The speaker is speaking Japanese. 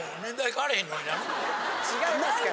違いますから。